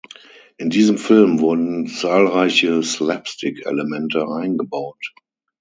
In diesem Film wurden zahlreiche Slapstick-Elemente eingebaut.